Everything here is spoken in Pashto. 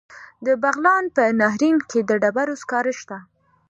د بغلان په نهرین کې د ډبرو سکاره شته.